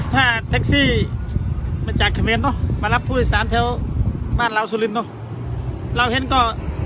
ถ้าแท็กซี่มาจากเขมรเนอะมารับผู้โดยสารแถวบ้านเราสุรินเนอะเราเห็นก็